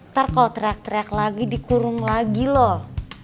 ntar kalau teriak teriak lagi dikurung lagi loh